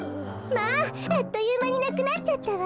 まああっというまになくなっちゃったわ。